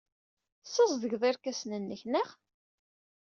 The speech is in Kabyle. Tessazedgeḍ irkasen-nnek, naɣ?